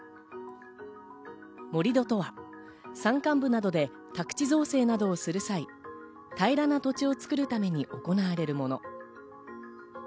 盛り土とは山間部などで宅地造成などをする際、平らな土地を造るために行われるもの。